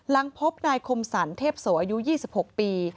หลังพบนายคมสรรเทพโสอายุ๒๖ปี